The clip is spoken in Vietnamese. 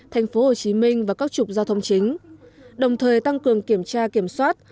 thành phố hồ chí minh và các trục giao thông chính đồng thời tăng cường kiểm tra kiểm soát